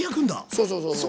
そうそうそうそう。